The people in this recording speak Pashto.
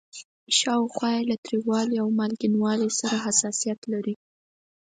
شاوخوا یې له تریوالي او مالګینوالي سره حساسیت لري.